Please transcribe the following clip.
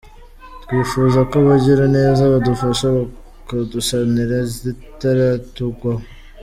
Twifuza ko abagiraneza badufasha bakadusanira zitaratugwaho.